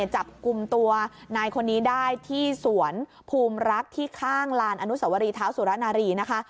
จับกลุ่มตัวนายคนนี้ได้ที่สวนภูมิรักที่ข้างลานอนุสวรีเท้าสุรนารีนะคะ